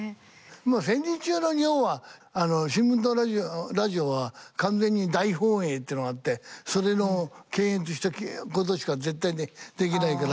戦時中の日本は新聞とラジオは完全に大本営ってのがあってそれの検閲したことしか絶対にできないから。